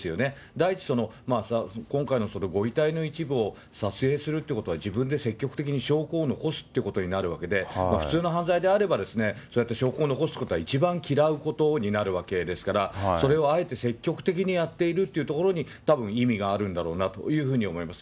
第一、今回のご遺体の一部を撮影するってことは、自分で積極的に証拠を残すってことになるわけで、普通の犯罪であればそうやって証拠を残すことは一番嫌うことになるわけですから、それをあえて積極的にやっているということにたぶん意味があるんだろうなというふうに思います。